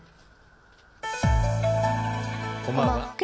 こんばんは。